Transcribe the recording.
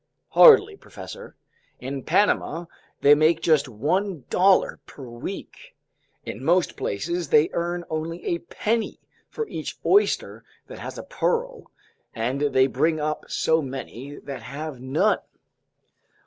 "Hardly, professor. In Panama they make just $1.00 per week. In most places they earn only a penny for each oyster that has a pearl, and they bring up so many that have none!"